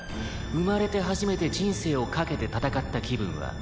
生まれて初めて人生を懸けて戦った気分は」